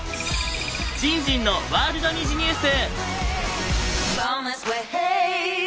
じんじんのワールド虹ニュース！